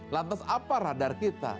lantas apa radar kita